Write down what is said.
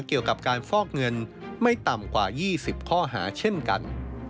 เกี่ยวกับการฟอกเงินไม่ต่ำกว่า๒๐ข้อหาเช่นกัน